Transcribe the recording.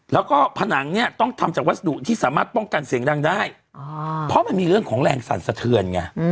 แล้วก็ผนังเนี่ยต้องทำจากวัสดุที่สามารถป้องกันเสียงดังได้เพราะมันมีเรื่องของแรงสั่นสะเทือนไง